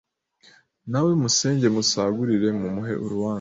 Na we musenge musagurire Mumuhe uruanza